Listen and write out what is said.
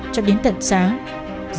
cho đến tận sáng